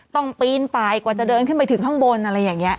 ต้องปีนปลายกว่าจะเดินขึ้นไปถึงข้างบนอะไรอย่างเงี้ย